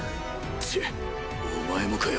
チッお前もかよ。